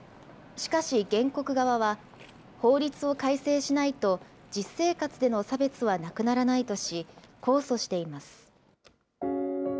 しかし原告側は、法律を改正しないと実生活での差別はなくならないとし、控訴しています。